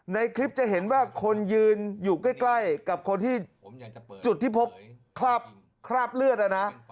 ในคลิปจะเห็นว่าคนยืนอยู่ใกล้กับคนที่จุดที่พบคราบเลือดนะนะ